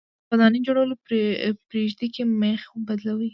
تاسو د ودانۍ جوړول پرېږدئ که مېخ بدلوئ.